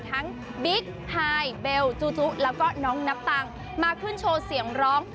ทั้งบิ๊กไฮแบลเจ้าดูแล้วก็น้องนักตังมารุ่นโชว์เสียงร้อง